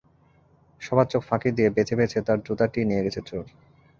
সবার চোখ ফাঁকি দিয়ে বেছে বেছে তাঁর জুতাটিই নিয়ে গেছে চোর।